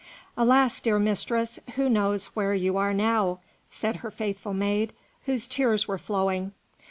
"Alas! dear mistress, who knows where you are now?" said her faithful maid, whose tears were flowing.